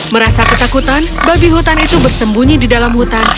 merasa ketakutan babi hutan itu bersembunyi di dalam hutan